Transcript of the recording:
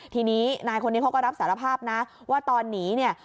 ทีนี้นายคนนี้เขาก็รับสารภาพนะว่าตอนหนีเนี่ย